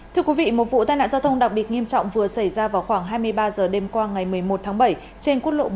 thưa quý vị một vụ tai nạn giao thông đặc biệt nghiêm trọng vừa xảy ra vào khoảng hai mươi ba h đêm qua ngày một mươi một tháng bảy trên quốc lộ bốn